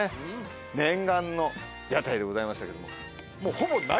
念願の屋台でございましたけども。